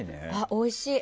おいしい。